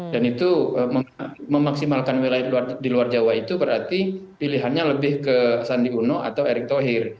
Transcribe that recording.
dan itu memaksimalkan wilayah di luar jawa itu berarti pilihannya lebih ke sandiaga uno atau erick thohir